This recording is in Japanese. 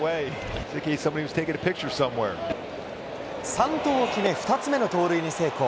３盗を決め、２つ目の盗塁に成功。